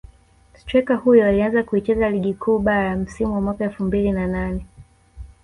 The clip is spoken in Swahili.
Streika huyo alianza kuicheza Ligi Kuu Bara msimu wa mwaka elfu mbili na nane